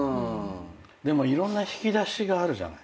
でもいろんな引き出しがあるじゃない。